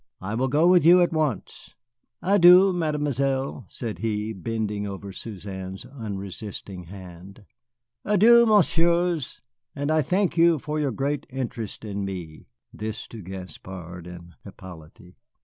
I will go with you at once. Adieu, Mademoiselle," said he, bending over Suzanne's unresisting hand. "Adieu, Messieurs, and I thank you for your great interest in me." (This to Gaspard and Hippolyte.)